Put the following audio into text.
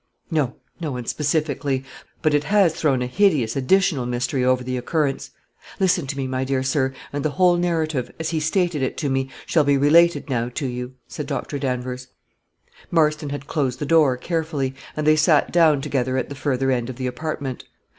"No; no one specifically; but it has thrown a hideous additional mystery over the occurrence. Listen to me, my dear sir, and the whole narrative, as he stated it to me, shall be related now to you," said Dr. Danvers. Marston had closed the door carefully, and they sate down together at the further end of the apartment.